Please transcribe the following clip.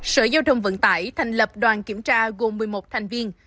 sở giao thông vận tải thành lập đoàn kiểm tra gồm một mươi một thành viên